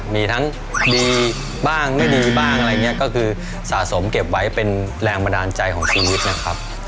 มีทั้งดีบ้างไม่ดีบ้างอะไรอย่างนี้ก็คือสะสมเก็บไว้เป็นแรงบันดาลใจของชีวิตนะครับ